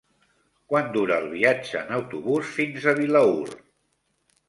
Quant dura el viatge en autobús fins a Vilaür?